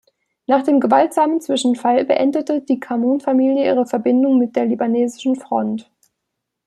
Nach dem gewaltsamen Zwischenfall beendete die Chamoun-Familie ihre Verbindung mit der Libanesischen Front.